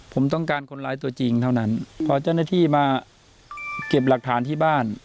ผมต้องการคนร้ายตัวจริงเท่านั้นพอเจ้าหน้าที่มาเก็บหลักฐานที่บ้าน